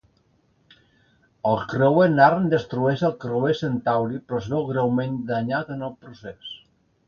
El creuer Narn destrueix el creuer Centauri, però es veu greument danyat en el procés.